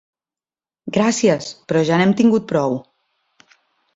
Gràcies, però ja n’hem tingut prou.